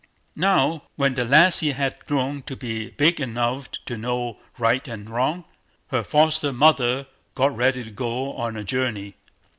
Now, when the lassie had grown to be big enough to know right and wrong, her foster mother got ready to go on a journey.